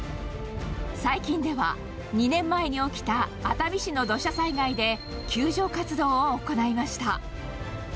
最近では、２年前に起きた熱海市の土砂災害で救助活動を行いました。